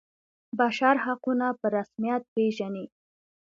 بشر حقونه په رسمیت پيژني.